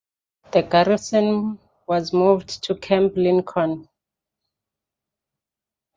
The garrison was moved to Camp Lincoln.